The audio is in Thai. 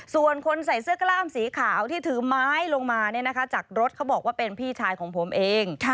ส่วนคนใส่เสื้อกล้ามสีขาวที่ถือไม้ลงมาจากรถเขาบอกว่าเป็นพี่ชายของผมเอง